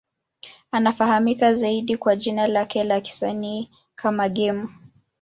Anafahamika zaidi kwa jina lake la kisanii kama Game.